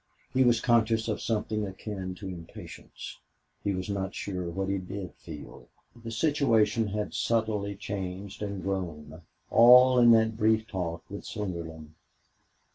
He was conscious of something akin to impatience. He was not sure what he did feel. The situation had subtly changed and grown, all in that brief talk with Slingerland.